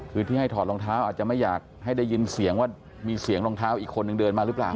คือที่ให้ถอดรองเท้าอาจจะไม่อยากให้ได้ยินเสียงว่ามีเสียงรองเท้าอีกคนนึงเดินมาหรือเปล่า